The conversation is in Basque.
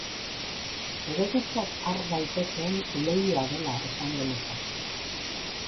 Eredutzat har daitekeen leihoa dela esan genezake.